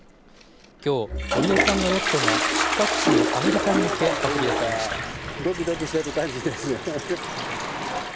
きょう堀江さんのヨットが出発地のアメリカに向け、運び出されました。